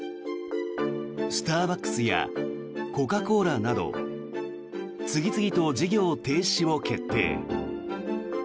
スターバックスやコカ・コーラなど次々と事業停止を決定。